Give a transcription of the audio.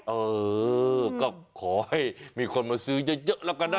เออก็ขอให้มีคนมาซื้อเยอะแล้วกันนะ